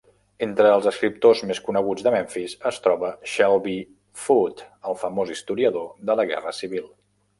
Entre els escriptors més coneguts de Memphis es troba Shelby Foote, el famós historiador de la Guerra Civil.